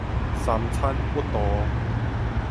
三餐不度